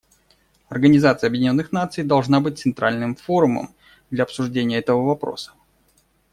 Организация Объединенных Наций должна быть центральным форумом для обсуждения этого вопроса.